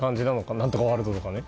何とかワールドとかね。